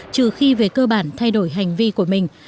trừ khi về cơ bản thay đổi hành vi của mình